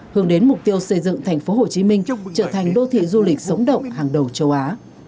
hướng đến mục tiêu xây dựng tp hcm trở thành đô thị du lịch sống động hàng đầu châu á